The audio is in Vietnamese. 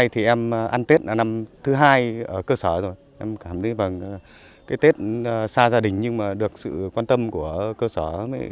tết là năm thứ hai ở cơ sở rồi em cảm thấy tết xa gia đình nhưng được sự quan tâm của cơ sở